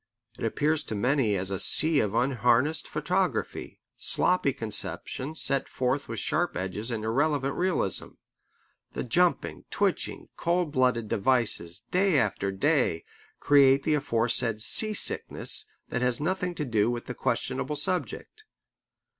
It appears to many as a sea of unharnessed photography: sloppy conceptions set forth with sharp edges and irrelevant realism. The jumping, twitching, cold blooded devices, day after day, create the aforesaid sea sickness, that has nothing to do with the questionable subject.